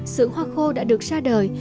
sưởng hoa cô đã được ra đời